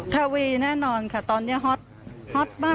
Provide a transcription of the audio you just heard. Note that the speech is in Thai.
ทะวีแน่นอนค่ะตอนนี้ฮอตมากเลย